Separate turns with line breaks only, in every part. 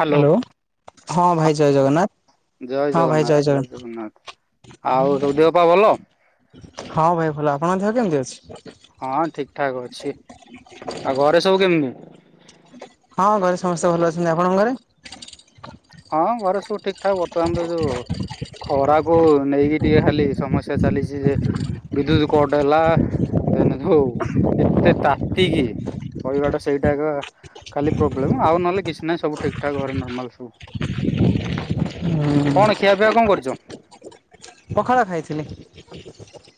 Hello
ହଁ
ହ
ଭାଇ ଜୟ ଜଗନ୍ନାଥ।
ଜୟ ଜଗନ୍ନାଥ ଜୟ ଜଗନ୍ନାଥ ଆଉ ସବୁ ଦେହପ ଭଲ
ହଁ ଭାଇ ଭଲ ଆପଣଙ୍କ ଦେହ କେମିତି ଅଛି?
ହଁ ଠିକ ଠାକ ଅଛି ଆଉ ଘରେ ସବୁ କେମିତି?
ହଁ ଘରେ ସମସ୍ତେ ଭଲ ଅଛନ୍ତି ଆପଣଙ୍କ ଘରେ
ଏଟା ବର୍ତ୍ତମାନ ତ ଯୋଉ ଖରାକୁ ନେଇକି ଟିକେ ଖାଲି ସମସ୍ୟା ଚାଲିଛି ଯେ ବିଦ୍ୟୁତ କଟ ହେଲା ଦେନ ହଉ ଏତେ ତାତିକି କହିବାଟା ସେଇଟା ଏକ ଖାଲି ପ୍ରୋବ୍ଲେମ ଆଉ ନହେଲେ କିଛି ନାହିଁ ସବୁ ଠିକ ଠାକ୍ ଘରେ ନର୍ମାଲ ସବୁ କଣ ଖିଆପିଆ କଣ କରୁଛ?
ପଖାଳ ଖାଇଥିଲି।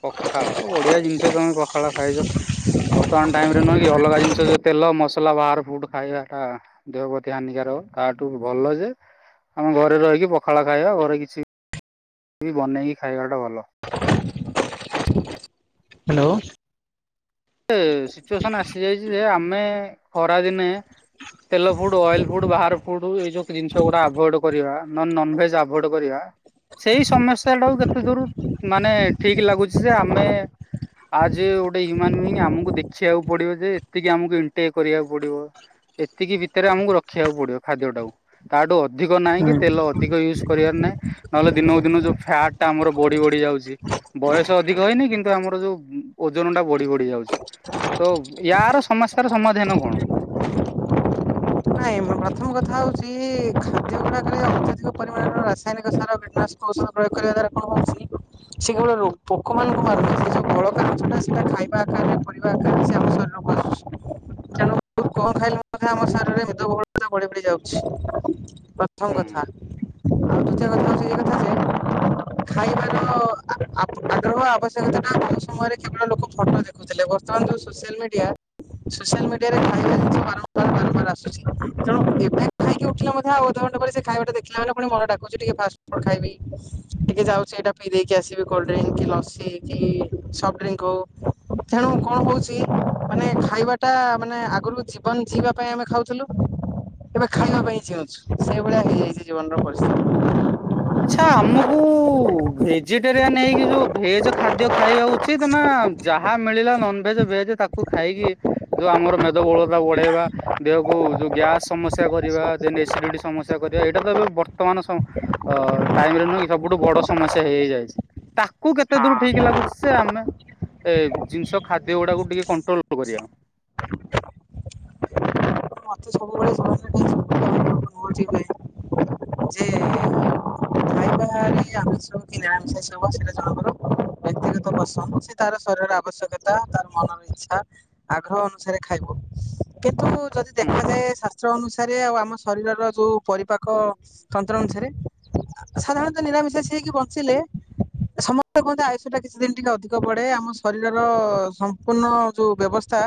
ଓ ପଖାଳ ବଢ଼ିଆ ଜିନିଷ ତୁମେ ପଖାଳ ଖାଇଛ ବର୍ତ୍ତମାନ ଟାଇମ୍ରରେ ନୁହେଁ କି ଅଲଗା ଜିନିଷ ଯେଉ ତେଲ ମସଲା ବାହାର ଫୁଡ଼୍ ଖାଇବାଟା ଦେହ ପ୍ରତି ହାନିକାରକ ତାଠୁ ଭଲ ଯେ ଆମେ ଘରେ ରହିକି ପଖାଳ ଖାଇବା ଘରେ କିଛି ବି ବନେଇକି ଖାଇବାଟା ଭଲ।
ହ୍ୟାଲୋ।
ସିଚୁଏସନ ଆସିଯାଇଛି ଯେ ଆମେ ଖରାଦିନେ ତେଲ ଫୁଡ ଅଏଲ ଫୁଡ ବାହାର ଫୁଡ [inaudible] ଆମକୁ ଦେଖିବାକୁ ପଡିବ ଯେ ଏତିକି ଆମକୁ ଇଣ୍ଟେ କରିବାକୁ ପଡିବ ଏତିକି ଭିତରେ ଆମକୁ ରଖିବାକୁ ପଡିବ ଖାଦ୍ୟ ଟାକୁ ତାଠୁ ଅଧିକ ନାହିଁ କି ତେଲ ଅଧିକ ୟୁଜ୍ କରିବାର ନାହିଁ ନହେଲେ ଦିନକୁ ଦିନ ଯୋଉ ଫ୍ୟାଟ ଟା ଆମର ବଢି ବଢି ଯାଉଛି ବୟସ ଅଧିକ ହେଇନି କିନ୍ତୁ ଆମର ଯୋଉ ଓଜନ ଟା ବଢି ବଢି ଯାଉଛି। ତ ୟାର ସମସ୍ୟାର ସମାଧାନ କଣ?
ନାଇଁ ପ୍ରଥମ କଥା ହେଉଛି ରାସାୟନିକ ସାର କୀଟନାଶକ ଔଷଧ ପ୍ରୟୋଗ କରିବା ଦ୍ଵାରା କଣଉଛି ସେ କେବଳ ପୋକ ମାନଙ୍କୁ ମାରୁନ ସେ ଯୋଉ ବଳକା ଗଛଟା ସେଟା ଖାଇବା ଆକାରରେ ପର ଆକାରରେ ସେ ଆମ ଶରୀରକୁ ମାରୁଛି ତେଣୁ କଣ ଖାଇଲେ ମଧ୍ୟ ଆମ ଶରୀରରେ ମଦବଳତା ବଢି ବଢଡି ଯାଉଛି ପ୍ରଥମ
ହୁଁ
କଥା ଆଉ ଦ୍ିତୀୟ କଥା ହଉଛି ଯ କଥା ସେ ଖାଇବାର ଆଗ୍ରହ ଆବଶ୍ୟକତା ସମୟରେ କେବଳ ଲୋକ ଫଟୋ ଦେଖୁଥିଲେ ବର୍ତ୍ତମାନ ଯୋ ସୋସିଆଲ ମିଡିଆ ସୋସିଆଲ୍ ମିଆରେ
ହୁଁ
ଭାଇରାଲ୍ଉଛିାରମ୍ ବ ବାରମ୍ବାର ଆସୁଛି ତେଣୁ ଏବେ ଖାଇକି ଉଠିଲେ ମଧ୍ୟଧେ ଆ ଅଧଘଣ୍ଟା ପରେ ସେ ଖାଇବା ଦେଖିଲା ମାନେ ପୁଣି ମନ ଡାକୁଛି ଟିକେ ଫାଷ୍ଟଫୁଡ଼୍ ଖାଇବି ଟିକେ ଯାଉଛି ଏଇଟା ପିଇ ଦେଇକି ଆସିବି କୋଲ୍ଡ୍ରିଙ୍କ୍ କି ଲସି କି ସଫ୍ଟ ଡ୍ରିଙ୍କ୍ ହଉ ତେଣୁ କଣ ହଉଛି ମାନେ ଖାଇବା ଟା ମାନେ ଆଗରୁ ଜୀବନ ଯିବା ପାଇଁ ଆମେ ଖାଉଥିଲୁ ଏବେ
ହୁଁ।
ଖାଇବା ପାଇଁ ଜିଉଛୁ ସେ ଆ ହେଇଯାଇଛି ଜୀବନର [inaudible]
ଆଛା ଆମକୁ ଭେଜିଟେରିଆନ ହେଇକି ଯୋଉ ଭେଜ ଖାଦ୍ୟ ଖାଇବା ଉଚିତ ନା ଯାହା ମିଳିଲା ନନଭେଜ ଭେଜ ତାକୁ ଖାଇକି ଯୋଉ ଆମର ମେଦବହୁଳତା ବଢେଇବା ଦେହକୁ ଯୋଉ ଗ୍ୟାସ ସମସ୍ୟା କରିବା ଏସିଡିଟି ସମସ କରିବା ଏଇଟା ତ ଏବେ ବର୍ତ୍ତମାନ ସମୟ ଅ ଟାଇମ ରେ ନୁହେଁ କି ସବୁଠୁ ବଡ ସମସ୍ୟା ହେଇଯାଇଛି ତାକୁ କେତେ ଦୂର ଠିକ୍ ଲାଗୁଛି ସେ ଆମେ ଏ ଜିନିଷ ଖାଦ୍ୟ ଗୁଡାକୁ ଟିକେ କଣ୍ଟ୍ରୋଲ କରିବା
ମତେ ସବୁବେଳେ ଜୀବନରେ ଯେ କ [unintelligible] ସେଇଟା ଜଣଙ୍କର ବ୍ୟକ୍ତିଗତ ପସନ୍ଦ ସେ ତାର ଶରୀରର ଆବଶ୍ୟକତା ତାର ମନର ଇଚ୍ଛା ଆଗ୍ରହ ଅନୁସାରେ ଖାଇବ କିନ୍ତୁ ଯଦି
ହୁଁ।
ଦେଖାାଯଏ ଶାସ୍ତ୍ର ଅନୁସାରେ ଆଉ ଆମ ଶରୀରର ଯୋଉ ପରିପାକ ତନ୍ତ୍ର ଅନୁସାରେ ସାଧାରଣତଃ ନିରାମିଶାଷି ହେଇକି ବ ଥିଲେ ସମସ୍ତେ କୁହନ୍ତି ଆୟୁଷ ଟା କିଛି ଦିନ ଟିକେ ଅଧିକ ବଢ଼େ ଆମ ଶରୀରର ତ ସମ୍ପୂର୍ଣ ଯୋଉ ବ୍ୟବସ୍ଥା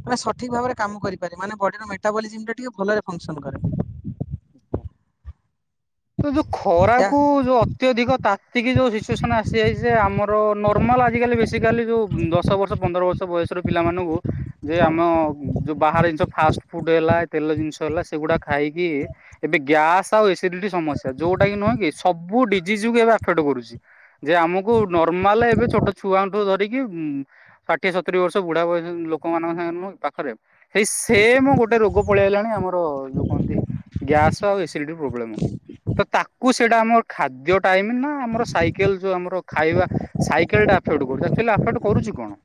ମାନେ ସଠିକ୍ ଭାବରେ କାମ କରିପାରେ ମାନେ ବଡିର ମେଟାବଲିଜିମ ଟା ଟିକେ ଭଲରେ ଫଙ୍କସନ କରେ
ହ ହ ତ ଯୋଉ
ଏହା
ଖରାକୁ ଯୋଉ ଅତ୍ୟଧିକ ତା ତିକି ଯୋଉ ସିଚୁଏସନ ଆସିଯାଇ ଯେ ଆମର ନର୍ମାଲ ଆଜିକାଲି ବେସିକାଲି ଯୋଉ ଦଶ ବର୍ଷ ପନ୍ଦର ବର୍ଷ ବୟସର ପିଲାମାନଙ୍କୁ ଯେ ଆମ ଯୋଉ ବାହାର ଜିନିଷ ଫାଷ୍ଟ ଫୁଡ ହେଲା ତେଲ ଜିନିଷ ହେଲା ସେଗୁଡା ଖାଇକି ଏବେ ଗ୍ୟାସ ଆଉ ଏସିଡିଟି ସମସଯ୍ୟା ଯୋଉଟା କି ନୁହେଁ କି ସବୁ ଡିଜିଜ କୁ ଏବେ ଆଫେକ୍ଟ କରୁଛି ଯେ ଆମକୁ ନର୍ମାଲ ଏବେ ଛୋଟ ଛୁଆ ଠୁ ଧରିକି ଷାଠିଏ ସତୁରି ବର୍ଷ ବୁଢା ବୟସ ଲୋକମାନଙ୍କ ସାଙ୍ଗ ନୁହଁ କି ପାଖରେ ସେଇ ସେମ ଗୋଟେ ରୋଗ ପଳେଇଲାଣି ଆମର ଯୋଉ କହନ୍ତି ଗ୍ୟାସ ଆଉ ଏସିଡି ପ୍ରୋବ୍ଲେମ ତ ତାକୁ ସେଇଟା ଆମର ଖାଦ୍ୟ ଟାଇମ ନା ଆମର ସାଇକେଲ ଯଉ ଆମର ଖାଇବା ସାଇେଲଟା ଆଫେକ୍ଟ କରୁଛି ଆକଚୁଆଲି ଅଫେକ୍ଟ କରୁଛି କଣ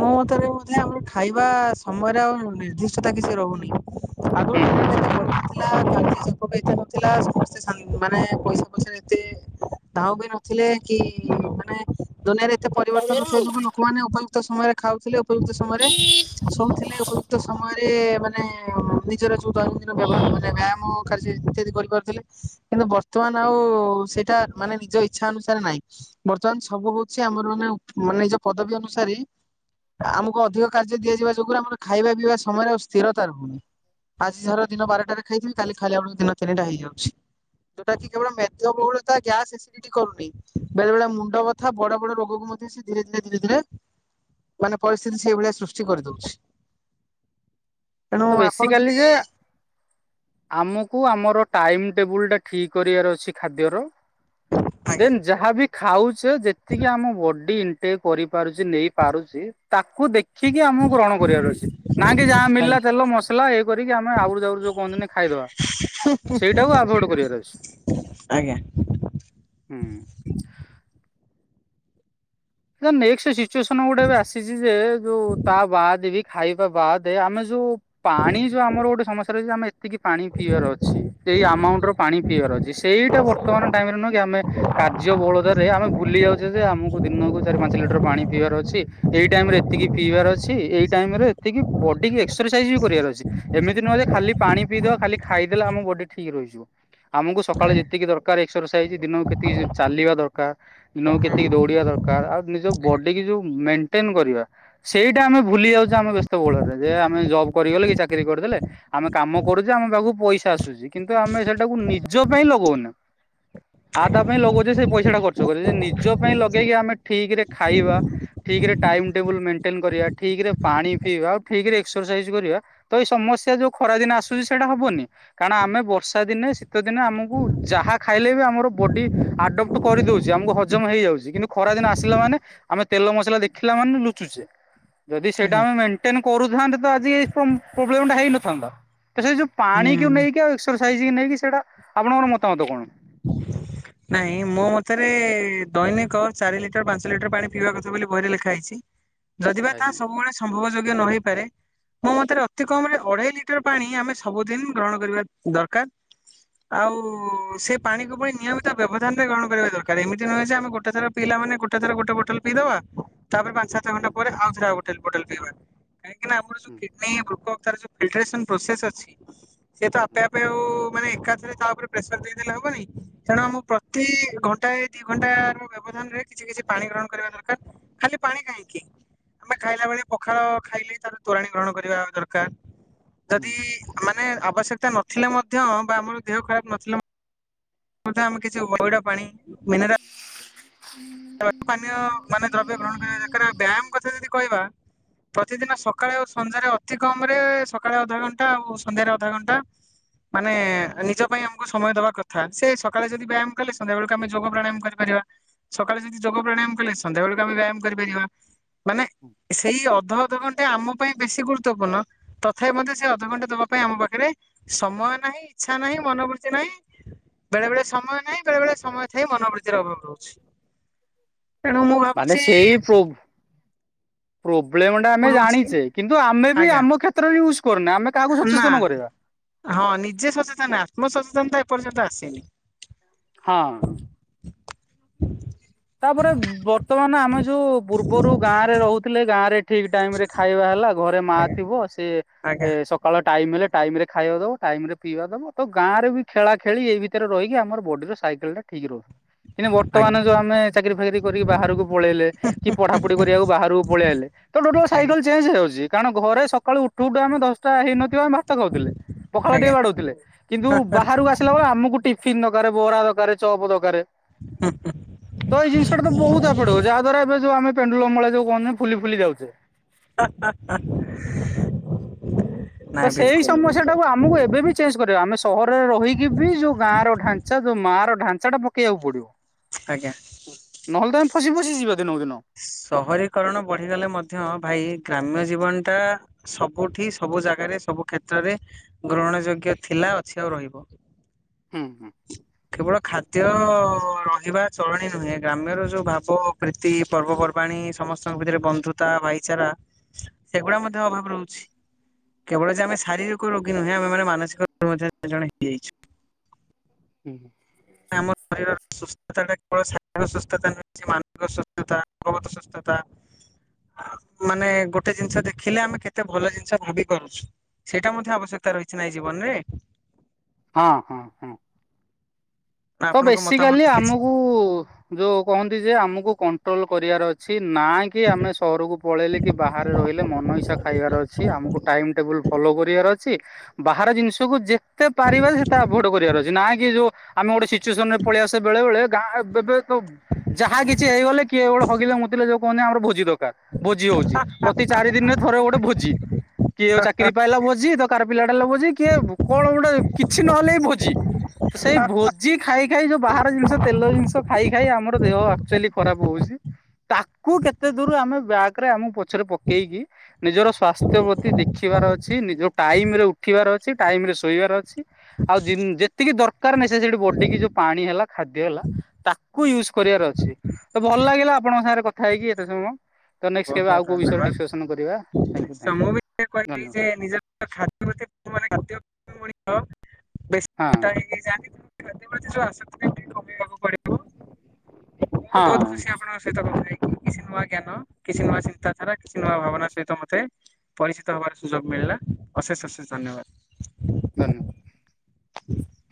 ମୋ ମତରେ ବୋଧ ଆମର ଖାଇବା ସମୟରେ ଆଉ ନିର୍ଦ୍ଦିଷ୍ଟତା କିଛି ରହୁନି ଆଗରୁ
ହୁଁ
ଥିଲା ବି କାର୍ଯ୍ୟ [unintelligible] ଏତେ ନଥିଲା ସମସ୍ତେ ମାନେ ପଇସା ପଇସାରେ ଏତେ ଦାଉ ବି ନଥିଲେ କି ମାନେ ଦୁନିଆରେ ଏତେ ପରିବର୍ତନ ନଥିବା ଯୋଗୁ ଲୋକମାନେ ଅବା କ୍ତ ସମୟରେ ଖାଉଥିଲେ ଉପଯୁକ୍ତ ସମୟରେ ଶୋଉଥିଲେ ଉପଯୁକ୍ତ ସମୟରେ ମାନେ ନିଜର ଯୋଉ [unintelligible] ବ୍ୟବହାର ବ୍ୟାମ [inaudible] କାର୍ଯ୍ୟ ଇତ୍ୟାଦି କରିପାରୁଥିଲେ କିନ୍ତୁ ବର୍ତ୍ତମାନ ଆଉ ସେଇଟା ମାନେ ନିଜ ଇଛା ଅନୁସାରେ ନାହିଁ ବର୍ତ୍ତମାନ ସବୁ ହଉଛି ଆମର ମାନେ ମାନେ ନିଜ ପଦବୀ ଅନୁସାରେ ଆମକୁ ଅଧିକ କାର୍ଯ୍ୟ ଦିଆଯିବା ଯୋଗୁରୁ ଆମର ଖାଇବା ପିଇବା ସମୟରେ ଆଉ ସ୍ଥିରତା ରହୁନି ଆଜି ଝର ଦିନ ବାରଟାରେ ଖାଇଥିବି କାଲି ଖାଲି ବେଳକୁ ଦିନ ତିନିଟା ହେଇଯାଉଛି ଯୋଉଟା କି କେବଳ ମେଦବହୁଳତା ଗ୍ୟାସ୍ ଏସିଡିଟି କରୁନି ବେଳେ ବେଳେ ମୁଣ୍ଡ ବଥା ବଡ ବଡ ରୋଗକୁ ମଧ୍ୟ ସେ ଧୀରେ ଧୀରେ ଧୀରେ ଧୀରେ ମାନେ ପରିସ୍ଥିତି ସେଇଭଳିଆ ସୃଷ୍ଟି କରିଦଉଛି ତେଣୁ
ତ
ଆପଣ
ବେସିକାଲି
ଯଦି
ଯେ ଆମକୁ ଆମର ର ଟାଇମ ଟେବୁଲ ଟା ଠିକ କରିବାର ଅଛି ଖାଦ୍ୟର
ଆଜ୍ଞା
ଦେନ୍ ଯାହା ବି ଖାଉଛି ସେ ଯେତିକି ଆମ ବଡି ଟେ କରି ପାରୁଛି ନେଇ ପାରୁଛି ତାକୁ ଦେଖିକି ଆମକୁ ଗ୍ରହଣ କରିବାର ଅଛି ନା କି ଯାହା ମଳିଲା
ଆଜ୍ଞା
ତେଲ ମସଲା ଏଇ କରିକି ଆମେ ଆହୁରି ଯାଉ ଯୋଉ କହନ୍ତିନି ଖାଇଦବା ସେଇଟାକୁ ଆଭଏଡ କରିଆର ଅଛି
ଆଜ୍ଞା
ହୁଁ। ସ ନା ଏକ ସି ସିଚୁଏସନ ଗୁଡା ବି ଆସିଛି ଯେ ଯୋଉ ତା ବାହା ଦେବି ଖାଇବା ବାଦ ଆମେ ଯୋଉ ପାଣି ଯୋଉ ଆମର ଗୋଟେ ସମସ୍ୟା ରହିଛି ଆମେ ଏତିକି ପାଣି ପିଇବାର ଅଛି। ସେଇ ଆମାଉଣ୍ଟ ର ପାଣି ପିଇବାର ଅଛି ସେଇଟା ବର୍ତ୍ତମାନ ଟାଇମରେ ନୁହେଁ କି ଆମେ କାର୍ଯ୍ୟ ବହଳତରେ ଆମେ ଭୁଲି ଯାଉଛେ ଯେ ଆମକୁ ଦିନକୁ ଚାରି ପାଞ୍ଚ ଲିଟର ପାଣି ପିଇବାର ଅଛି। ଏଇ ଟାଇମ ରେ ଏତିକି ପିଇବାର ଅଛି ଏଇ ଟାଇମ ରେ ଏତିକି ବଡି କି ଏକ୍ସରସାଇଜ ବି କରିବାର ଅଛି ଏମିତି ନୁହେଁ ଯେ ଖାଲି ପାଣି ପିଇଦବା ଖାଲି ଖାଇଦେଲେ ଆମ ବଡି ଠିକ ରହିଯିବ। ଆମକୁ ସକାଳେ ଯେତିକି ଦରକାର। ଏକ୍ସରସାଇଜ ଦିନକୁ କେତିକି ଚାଲିବା ଦରକାର। ଦିନକୁ କେତିକି ଦୌଡିବା ଦରକାର ର ଆଉ ନିଜ ବଡି କି ଯୋଉ ମେଣ୍ଟେନ କରିବା। ସେଇଟା ଆମେ ଭୁଲି ଯାଉଛେ ଆମେ ବ୍ୟସ୍ତ ବୂଳରେ ଯେ ଆମେ ଜବ୍ କରିଗଲେ କି ଚାକିରି କରିଦେଲେ ଆମେ କାମ କରୁଛେ ଆମ ପାଖକୁ ପଇସା ଆସୁଛି କିନ୍ତୁ ଆମେ ସେଟାକୁ ନିଜ ପାଇଁ ଲଗାଉନୁ ଆଉ ତା ପାଇଁ ଲଗାଉଛେ। ସେଇ ପଇସା ଟା ଖର୍ଚ୍ଚ କରୁଛ ନିଜ ପାଇଁ ଲଗେଇକି ଆମେ ଠିକ ରେ ଖାଇବା, ଠିକ ରେ ଟାଇମ ଟେବୁଲ ମେଣ୍ଟେନ କରିବା, ଠିକ ରେ ପାଣି ପିଇବା, ଠିକରେ ଏକ୍ସରସାଇଜ କରିବା, ତ ଏଇ ସମସ୍ୟା ଯୋଉ ଖରା ଦିନେ ଆସୁଛି ସେଇଟା ହବନି କାରଣ ଆମେ ବର୍ଷା ଦିନେ ଶୀତ ଦିନେ ଆମକୁ ଯାହା ଖାଇଲେ ବି ଆମର ବଡି ଆଡପ୍ଟ କରିଦଉଛି ଆମକୁ ହଜମ ହେଇଯାଉଛି। କିନ୍ତୁ ଖରା ଦିନ ଆସିଲା ମାନେ ଆମେ ତେଲ ମସଲା ଦେଖିଲା ମାନେ ଲୁଚୁଛେ। ଯଦି ସେଇଟା
ଆଜ୍ଞା
ଆମେଣ୍ଟେନ କରୁଥାନ୍ତେ ଆଜି ଏଇ ପ୍ରୋବ୍ଲେମ ଟା ହେଇନଥାନ୍ତା। ତ ସେ ଯୋଉ
ହୁଁ।
ପାଣି କଉ ନେଇକି ଆ ସ ନେଇକି ସେଇଟା ଆପଣଙ୍କର ମତାମତ କଣ?
ନାଇଁ ମୋ ମତରେ ଦୈନିକ ଚାରି ଲିଟର ପାଞ୍ଚ ଲିଟର ପାଣି ପିଇବା କଥା ବୋଲି ବହିରେ ଲେଖା ହେଇଛି। ଯଦିବା ତାହା
ଆଜ୍ଞା।
ସବୁବେଳେ ସମ୍ଭବ ଯୋଗ୍ୟ ନ ହେଇପାରେ ମୋ ମତରେ ଅତି କମ ରେ ଅଢେଇ ଲିଟର ପାଣି ଆମେ ସବୁଦିନ ଗ୍ରହଣ କରିବା ଦରକାର। ଆଉ ସେ ପାଣିକୁ ପ ନିୟମିତ ବ୍ୟବଧାନରେ ଗ୍ରହଣ କରିବା ଦରକାର ।ଏମିତି ନୁହେଁ ଆମେ ଗୋଟେ ଥ ପିଲ ମେ ଗୋଟ ଥର ଗୋଟେ ବଟଲ ପିଇଦବା ତାପରେ ପାଞ୍ଚ ସାତ ଘଣ୍ଟା ପରେ ଆଉ ଥରେ ଆଉ ଗଟେ ହୋଟଲ ବଟଲ ପିଇବା କାହିଁକି ନା ଆମର ଯୋଉ
ହୁଁ
କିଡନୀ ବୃକ୍ ତାର ଯୋଉ ଫିଲଟରେସନ ପ୍ରୋସେସ ଅଛି ସେ ତ
ହୁଁ
ଆପେ ଆପେ ଆଉ ମାନେ ଏକାଥରେ ତା ଉପରେ ପ୍ରେସର ଦେଇଦେଲେ ହବନି। କାରଣ ଆମ ପ୍ରତି ଘଣ୍ଟାଏ ଦି ଘଣ୍ଟାର ବ୍ୟବଧାନରେ କିଛି କିଛି ପାଣି ଗ୍ରହଣ କରିବା ଦରକାର। ଖାଲି ପାଣି କାହିଁକି ଆମେ ଖାଇଲା ବେଳେ ପଖାଳ ଖାଇଲେ ତାର ତୋରାଣି ଗ୍ରହଣ କରିବା ଦରକାର।
ହୁଁ
ଯଦି ମାନେ ଆବଶ୍ୟକ ନଥିଲେ ମଧ୍ୟ ବା ଆମର ଦେହ ଖରାପ ନଥିଲେ ଆମେ କିଛି ପଇଡ଼ ପାଣି ମିନରା
[inaudible]
ପାନୀୟ ମାନେ ଦ୍ରବ୍ୟ ଗ୍ରହଣ କରିବା। ବ୍ୟାୟାମ କଥା ଯଦି କହିବା ପ୍ରତିଦିନ ସକାଳେ ଆଉ ସନ୍ଧ୍ୟାରେ ଅତି କମରେ ସକାଳେ ଅଧାଘଣ୍ଟା ଆଉ ସନ୍ଧ୍ୟାରେ ଅଧ ଘଣ୍ଟା ମାନେ ନିଜ ପାଇଁ ଆମକୁ ସମୟ ଦବା କଥା ସେ ସକାଳେ ଯଦି ବ୍ୟାୟାମ କଲେ ସନ୍ଧ୍ୟା ବେଳକୁ ଆମେ ଯୋଗ ପ୍ରାଣୟାମ କରିପାରିବା। ସକାଳେ ଯଦି ଯୋଗ ପ୍ରାଣାୟାମ କଲେ ସନ୍ଧ୍ୟାବେଳକୁ ଆମେ ବ୍ୟାୟାମ କରିପାରିବା। ମାନେ ସେଇ ଅଧ ଅଧଘଣ୍ଟେ ଆମ ପାଇଁ ବେଶୀ ଗୁରୁତ୍ୱପୂର୍ଣ୍ଣ ତଥାପି ମଧ୍ୟ ସେ ଅଧଘଣ୍ଟେ ଦବା ପାଇଁ ଆମ ପାଖରେ ସମୟ ନାହିଁ, ଇଚ୍ଛା ନାହିଁ, ମନୋବୃତ୍ତି ନାହିଁ ବେଳେ ବେଳେ ସମୟ ନାଇହିଁ ବେଳେ ବଳେ ସମୟ ଥାଇ ମନୋବୃତ୍ତି ର ଅଭାବ ରହୁଛି। ତେଣୁ ମୁଁ ଭାବୁଛି
ପ୍ରୋବ୍ଲେମ୍ ଟା
ମୁଁ
ଆମେ
ଭାବୁଛି
ଜାଣିଛେ କିନ୍ତୁ ଆମେ ବି
ଆଜ୍ଞା
ଆମ କ୍ଷେତ୍ରରେ ୟୁସ୍ କରୁନା ଆମେ କାହାକୁ
ନା
ସଚେତନ କରେଇବା।
ହଁ ନିଜେ ହେଇନି।
ହଁ ତାପରେ ବର୍ତ୍ତମାନ ଆମେ ଯୋଉ ପୂର୍ବରୁ ଗାଁରେ ରହୁଥିଲେ ଗାଁ ରେ ଠିକ ଟାଇମ ରେ ଖାଇବା ହେଲା ଘରେ ମା
ଆଜ୍ଞା
ଥିବ ଶ୍
ଆଜ୍ଞା
ସିଏ ସକାଳ ଟାଇମରେ ଟାଇମ ରେ ଖାଇବାକୁ ଦବ ଟାଇମ ପିଇବା ଦେବ ତ ଗାଁରେ ବି ଖେଳା ଖେଳି ଏଇ ଭିତରେ ରହିକି ଆମର ବଡିର ସାଇକେଲଟା ଠିକ୍ ରହୁ ଇନେ
ଆଜ୍ଞା
ବର୍ତ୍ତମାନ ଯୋଉ ଆମେ ଫେରି କରି ବାହାରକୁ ପଳେଇଲେ କି ପଢା ପଢି କରିବାକୁ ବାହାରୁକୁ ପଳେଇଲେ ତ ଟୋଟଲ
ଆଜ୍ଞା
ସାଇକଲ ଚେଞ୍ ହେଇଯାଉଚି। ଜେଇ କାଣ ଘରେ ସ ସକାଳୁ ଉଠୁ ଉଠୁ ଆମେ ଦଶଟା ହେଇନଥିବ ଆମେ ଭାତ ଖାଉଥିଲେ ପଖାଳ ଟିକେ
ଆଜ୍ଞା
ବାଡାଉଥିଲେ କିନ୍ତୁ ବାହାରୁ ଆସିଲା ବେଳେ ଆମକୁ ଟିଫ୍ ହିନ ଗାରେ ବରା ଦରକାରେ ଚପ ଦରକାରେ
ହୁଁ ହୁଁ
ତ ଏଇ ଜିନ୍ଷଟା ତ ବହୁତ ଆପଡବ ଯାହା ଦ୍ୱାରା ଏବେ ଯଉ ଆମେ ପେଣ୍ଡୁଳ ଅମଳା ଯୋଉ କୁହୁନି ଫୁଲି ଫୁଲି ଯାଉଚେ।
ହା ହା ହା।
ତ ସେଇ ସମସ୍ୟା ଟାକୁ ଆମକୁ ଏବେ ବି ଚେଞ୍ଜ କରିବା ଆମେ ସହରରେ ରହିକି ବି ଯୋଉ ଗାଁ ର ଢାଞ୍ଚା ଯୋଉ ମା ର ଢାଞ୍ ସେଟା ପକେଇବାକୁ ପଡିବ।
ଆଜ୍ଞା
ପସି ପସି ଯିବା। ଦିନକୁ ଦିନ
ସହରୀକରଣ ବଢିଗଲେ ମଧ୍ୟ ଭାଇ ଗ୍ରାମ୍ୟ ଜୀବନଟା ସବୁଠି ସବୁ ଜାଗାରେ ସବୁ କ୍ଷେତ୍ରରେ ଗ୍ରହଣ ଯୋଗ୍ୟ ଥିଲା ଅଛି ଆଉ ରହିବ।
ହୁଁ ହୁଁ
କେବଳ ଖାଦ୍ୟ ଦେୟ ରହିବା ଚଳଣି ନୁହେଁ ଗ୍ରାମ୍ୟର ଯୋଉ ଭାବ ପ୍ରୀତି ପର୍ବପର୍ବାଣୀ ସମସ୍ତଙ୍କ ଭିତରେ ବନ୍ଧୁତା ଭାଇଚାରା ସେଗୁଡା ମଧ୍ୟ ଅଭାବ ରହୁଛି କେବଳ ଯେ ଆମେ ଶାରୀରିକ ରୋଗୀ ନୁହେଁ ଆମେ ମାନେ ମାନସିକ [unintelligible] ମଧ୍ୟ ଜଣେ ହେଇଯାଇଛୁ।
ହୁଁ
ଆମ ଶରୀରର ସୁସ୍ଥତାଟା କେବଳ ଶାରରିକ ସୁସ୍ଥତା ନୁହେଁ ସିଏ ମାନସିକ ସୁସ୍ଥତା ଭଗବତ ସୁସ୍ଥତା ମାନେ ଗୋଟେ ଜିନିଷ ଦେଖିଲେ ଆମେ କେତେ ଭଲ ଜିନିଷ ଭାବି ପାରୁଛୁ ସେଇଟା ମଧ୍ୟ ଆବଶ୍ୟକ ତା ରହିଛି ଏଇ ଜୀବନରେ
ହଁ ହଁ ହଁ।
ନା
ତ
ଆପଣଙ୍କ ମତାମତ
ବେସିକାଲି
କିଛି?
ଆମକୁ ଯୋଉ କହନ୍ତି ଯେ ଆମକୁ କନ୍ ଟ୍ରୋଲ୍ କରିବାର ଅଛି ନାଇ କି ଆମେ ସହରକୁ ପଳେଇଲେ କି ବାହାରେ ରହିଲେ ମନ ଇଛା ଖାଇବାର ଅଛି ଆମୁକୁ ଟାଇମ ଟେବୁଲ ଫଲୋ କରିବାର ଅଛି ବାହାର ଜିନିଷକୁ ଯେ ତେ ପାରିବେ ସେତା ଭୋଟ କରିବାର ଅଛି ନାଇଁ। ଯିଏ ଯୋଉ ଆମେ ଗୋଟେ ସି ଚୁଏସନ୍ ରେ ପଳେଇ ଆସ ବେଳେ ବଳେ ଗାଁ ଏବେ ତ ଯାହା କିଛି ହେଇଗଲେ କିଏ ଗୋହଗିଲା ମୁତିଲେ ଯୋଉ କହନି ଆମର ଭୋଜି ଦଉ କା ଭୋଜି ହଉଛି ପ୍ରତି ଚାରି ଦିନ୍ ରେ ଥରେ ଗୋଟେ ଭୋଜି କିଏଉ ଚାକିରି ପାଇଲା ଭୋଜି ତ କାର ପିଲାଡ୍ ହେଲା ଭୋଜି କିଏ କଣ ଗୋଟେ କିଛି ନହେଲେ ଇ ଭୋଜି ସେଇ ଭୋ ଖାଇ ଯୋଉ ବାହାର ଜିନିଷ ତେଲ ଜିନିଷ ଖାଇ ଖାଇ ଆମର ଦେହଆଚୁଆଲି ଖରାପ ହଉଛି ତାକୁ କେତେ ଦୂରୁ ଆମେ ବ୍ୟାଗ ରେ ଆମକୁ ପ ଛରେ ପକେଇକି ନିଜର ସ୍ୱାସ୍ଥ୍ୟ ପ୍ରତି ଦେଖିବାର ଅଛି ନିଜ ଟାଇମ ଉଠିବାର ଅଛି ଟାଇମ ରେ ଶୋଇବାର ଅଛି। ଆଉ ଯେତିକି ଦର ମେ ଯେ ବ ଟିକି ଯୋଉ ପାଣି ହେଲା ଖାଦ୍ୟ ହେଲା ତାକୁ ୟୁଜ କରିବାର ଅଛି ତ ଭଲ ଲାଗିଲା ଆପଣଙ୍କ ସାଙ୍ଗରେ କଥା ହେଇକି ଏତେ ସମୟ ତ ନେକ୍ସଟ
ବହୁତ
କେବେ ଆଉ
ବହୁତ
କୋଉ ବିଷୟରେ ଡିସକସନ କରିବା ଥ୍ୟାଙ୍କୟୁ ଥ୍ୟାଙ୍କୟୁ
ଧନ୍ୟବାଦ ମୁଁ ବି କହିବି
ଧନ୍ୟବାଦ
ଯେ ନିଜ ଖ୍ୟ ଖ ହଁ
ହଁ
ବେଶଟାା ତେ ପ୍ରତିଶ ଆସକ୍ତି ଠିକ କମେଇବାକୁ ପଡିବ। ମୁଁ ବି ବହୁତ
ହଁ
ଖୁସି ଆପଣଙ୍କ ସହିତ କଥାକି କି ସିନମା କେ୍ଞାନ କିଛି ନୂଆ ଚିନ୍ତାଧାରା କିଛି ନୂଆ ଭାବନା ସହିତ ମୋତେ ପରିଚିତ ହବାର ସୁଯୋଗ ମିଳିଲା ଅଶେଷ ଅଶେଷ ଧନ୍ୟବାଦ।
ଧନ୍ୟ
ହ